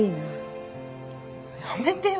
やめてよ